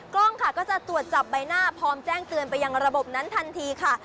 กล้องค่ะก็จะตรวจจับใบหน้าพร้อมแจ้งเตือนไปยังระบบนั้นทันทีค่ะ